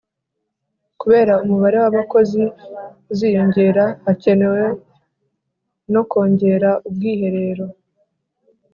Kubera umubare w abakozi uziyongera hakenewe no kongera ubwiherero